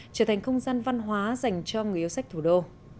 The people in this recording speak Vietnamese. trở thành không gian văn hóa dành cho người yêu sách thủ đô